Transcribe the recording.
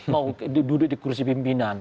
mau duduk di kursi pimpinan